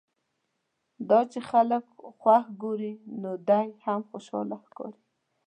دا چې خلک خوښ ګوري نو دی هم خوشاله ښکاري.